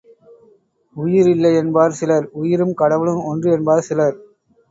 உயிர் இல்லை என்பார் சிலர் உயிரும் கடவுளும் ஒன்று என்பார் சிலர்.